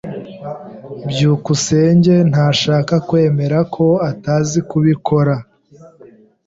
byukusenge ntashaka kwemera ko atazi kubikora.